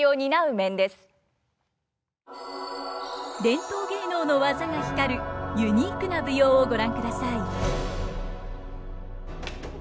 伝統芸能の技が光るユニークな舞踊をご覧ください。